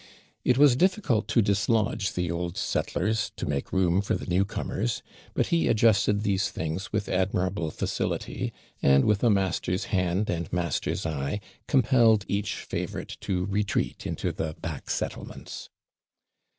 It was difficult to dislodge the old settlers, to make room for the newcomers; but he adjusted these things with admirable facility; and, with a master's hand and master's eye, compelled each favourite to retreat into the back settlements.